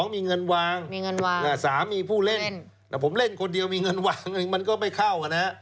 ๒มีเงินวาง๓มีผู้เล่นแต่ผมเล่นคนเดียวมีเงินวางมันก็ไม่เข้ากันนะ